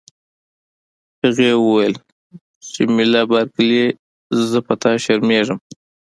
هغې وویل: جميله بارکلي، زه په تا شرمیږم.